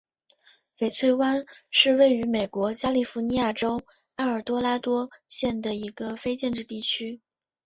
翡翠湾是位于美国加利福尼亚州埃尔多拉多县的一个非建制地区。